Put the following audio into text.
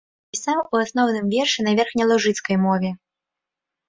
Пісаў у асноўным вершы на верхнялужыцкай мове.